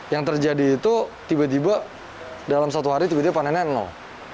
yang terjadi itu tiba tiba dalam satu hari tiba tiba panennya nol